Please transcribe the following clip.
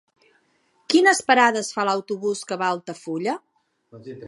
Quines parades fa l'autobús que va a Altafulla?